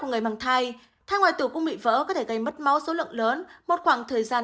của người mang thai thai ngoài tủ cung bị vỡ có thể gây mất máu số lượng lớn một khoảng thời gian